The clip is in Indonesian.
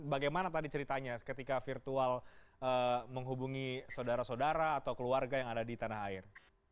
bagaimana tadi ceritanya ketika virtual menghubungi saudara saudara atau keluarga yang ada di tanah air